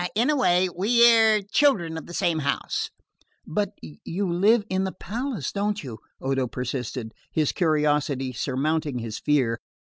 "Eh, in a way we're children of the same house." "But you live in the palace, don't you?" Odo persisted, his curiosity surmounting his fear.